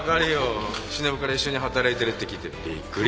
しのぶから一緒に働いてるって聞いてびっくりしたよ。